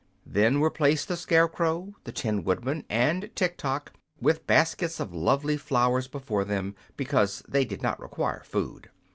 Then were placed the Scarecrow, the Tin Woodman and Tiktok, with baskets of lovely flowers before them, because they did not require food.